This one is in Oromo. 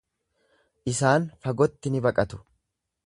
Isaan fagotti ni baqatu.